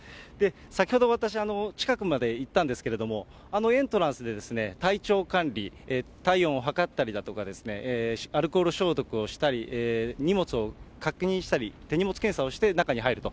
先ほど、私、近くまで行ったんですけれども、あのエントランスで体調管理、体温を測ったりだとか、アルコール消毒をしたり、荷物を確認したり、手荷物検査をして中に入ると。